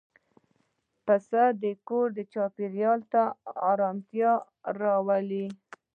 پسه د کور چاپېریال ته آرامتیا راولي.